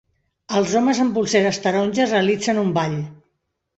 Els homes amb polseres taronges realitzen un ball.